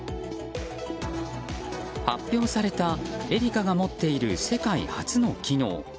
発表されたＥＲＩＣＡが持っている世界初の機能。